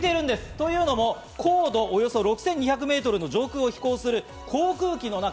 というのも高度およそ６２００メートルの上空を飛行する航空機の中。